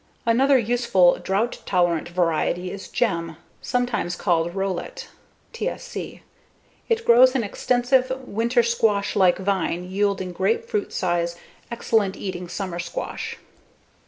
Another useful drought tolerant variety is Gem, sometimes called Rolet (TSC). It grows an extensive winter squash like vine yielding grapefruit size, excellent eating summer squash.